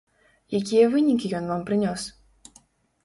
Якія вынікі ён вам прынёс?